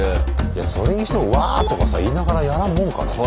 いやそれにしても「わ」とかさ言いながらやらんもんかね。